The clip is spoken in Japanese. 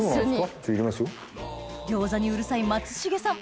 餃子にうるさい松重さん